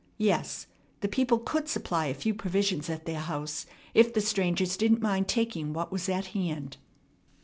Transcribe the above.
Yes, the people could supply a few provisions at their house if the strangers didn't mind taking what was at hand.